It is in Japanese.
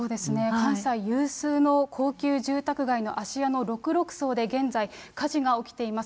関西有数の高級住宅街の芦屋の六麓荘で、現在、火事が起きています。